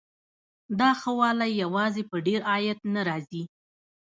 دا ښه والی یوازې په ډېر عاید نه راځي.